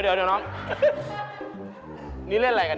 เฮ่ยมุยหลบไว้ได้